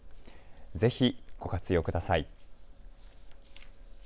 ぜひ、ご活用ください。